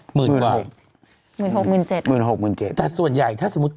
หมื่นกว่าหมื่นหกหมื่นเจ็ดแต่ส่วนใหญ่ถ้าสมมุติ